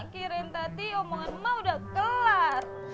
kirin tati omongan emak udah kelar